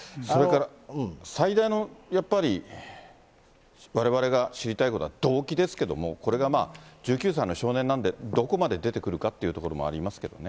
最大のやっぱりわれわれが知りたいことは動機ですけれども、これが１９歳の少年なんで、どこまで出てくるかっていうところもありますけどね。